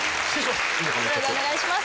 お願いします。